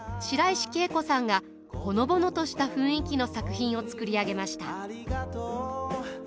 白石慶子さんがほのぼのとした雰囲気の作品を作り上げました。